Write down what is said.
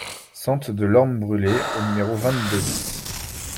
Sente de l'Orme Brulé au numéro vingt-deux BIS